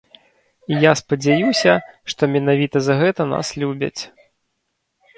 І я спадзяюся, што менавіта за гэта нас любяць.